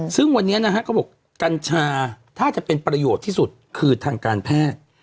ซึ่งวันนี้นะฮะเขาบอกกัญชาถ้าจะเป็นประโยชน์ที่สุดคือทางการแพทย์